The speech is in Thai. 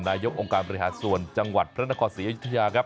นายกองค์การบริหารส่วนจังหวัดพระนครศรีอยุธยาครับ